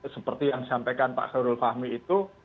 seperti yang disampaikan pak sarul fahmi itu